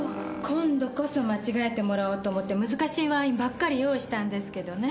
今度こそ間違えてもらおうと思って難しいワインばっかり用意したんですけどね。